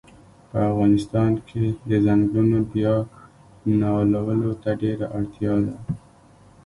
په افغانستان کښی د ځنګلونو بیا نالولو ته ډیره اړتیا ده